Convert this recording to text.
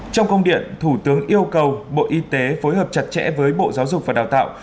trong công điện thủ tướng yêu cầu bộ y tế phối hợp chặt chẽ với bộ giáo dục và đào tạo